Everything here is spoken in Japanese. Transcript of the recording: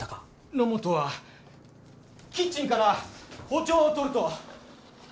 野本はキッチンから包丁を取ると。